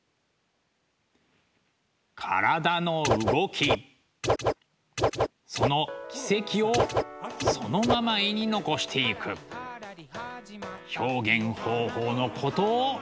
体の動きその軌跡をそのまま絵に残していく表現方法のことをいいます。